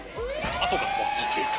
あとが壊そうというか。